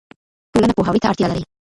ټولنه پوهاوي ته اړتیا لري.